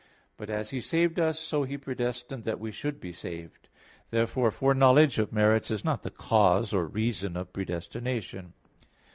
But as He saved us, so He predestined that we should be saved. Therefore, foreknowledge of merits is not the cause or reason of predestination.